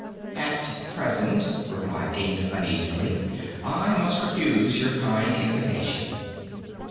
"At present," replied Inga, uneasily, "I must refuse your kind invitation."